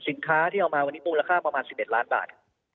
สินค้าที่เอามาวันนี้มูลค่าประมาณ๑๑ล้านบาท